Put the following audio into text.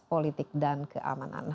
politik dan keamanan